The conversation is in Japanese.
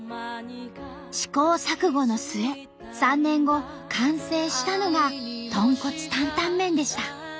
試行錯誤の末３年後完成したのが豚骨タンタン麺でした。